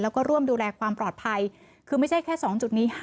แล้วก็ร่วมดูแลความปลอดภัยคือไม่ใช่แค่๒จุดนี้๕